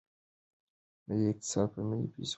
ملي اقتصاد په ملي پیسو وده کوي.